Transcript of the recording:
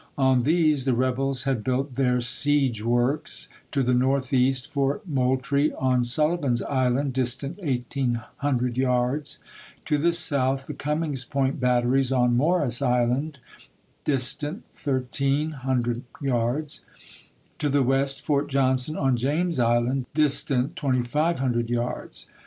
On these the rebels had built their siege works — to the north east Fort Moultrie on Sulli van's Island, distant 1800 yards ; to the south, the Cummings Point batteries on Morris Island, dis tant 1300 yards; to the west, Fort Johnson on James Island, distant 2500 yards.